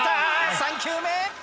３球目。